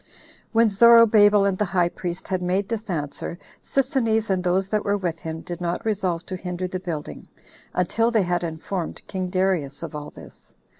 5. When Zorobabel and the high priest had made this answer, Sisinnes, and those that were with him, did not resolve to hinder the building, until they had informed king Darius of all this.